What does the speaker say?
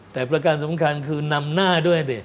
แต่ประการสำคัญคือนำหน้าด้วยดิ